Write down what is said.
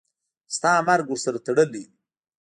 ستا مرګ ورسره تړلی دی.